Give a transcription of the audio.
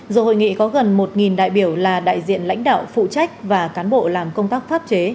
dù hội nghị có gần một đại biểu là đại diện lãnh đạo phụ trách và cán bộ làm công tác pháp chế